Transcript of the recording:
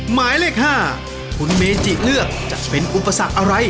หมายเลข๕คุณเมจิเลือกจะเป็นอุปสรรคอะไร